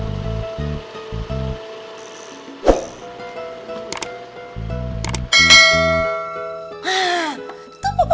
eh kayaknya itu suara mobilnya papa